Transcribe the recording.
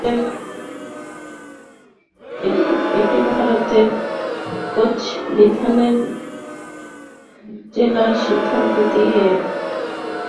এটি ভারতের কোচবিহার জেলার সীমান্ত দিয়ে লালমনিরহাট জেলার পাটগ্রাম উপজেলা দিয়ে বাংলাদেশে প্রবেশ করেছে।